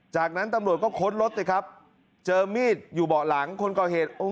จากนั้นตำรวจก็ค้นรถสิครับเจอมีดอยู่เบาะหลังคนก่อเหตุ